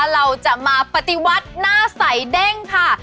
เราจะมาปฏิวัติหน้าใสเด้งค่ะ